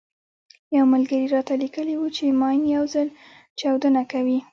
يو ملګري راته ليکلي وو چې ماين يو ځل چاودنه کوي.